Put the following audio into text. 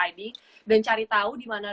iding dan cari tahu di mana